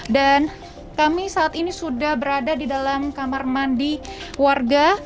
dan kami saat ini sudah berada di dalam kamar mandi warga